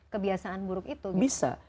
kebiasaan buruk itu bisa